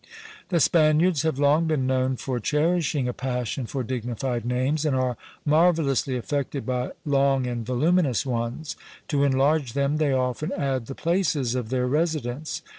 The Spaniards have long been known for cherishing a passion for dignified names, and are marvellously affected by long and voluminous ones; to enlarge them they often add the places of their residence.